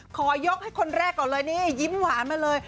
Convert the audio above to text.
ขอยกให้คนแรกก่อนเลยนี่ยิ้มหวานมาเลย